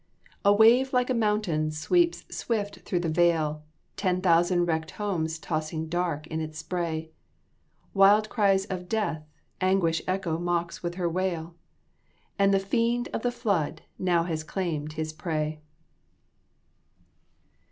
A wave like a mountain sweeps swift through the vale Ten thousand wrecked homes tossing dark in its spray, Wild cries of death anguish echo mocks with her wail And the fiend of the flood now has claimed his prey!"